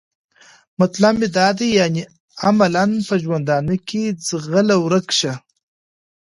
مطلب مې دا دی یعنې عملاً په ژوندانه کې؟ ځغله ورک شه.